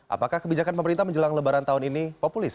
apakah kebijakan pemerintah menjelang lebaran tahun ini populis